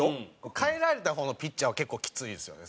代えられた方のピッチャーは結構きついですよね